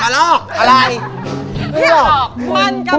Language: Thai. มันกำลังลอกอยู่